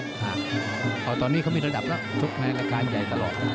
ครับตอนนี้มีระดับละชุดแม่รายการใหญ่ก่อน